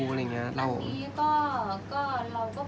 อันไหนที่มันไม่จริงแล้วอาจารย์อยากพูด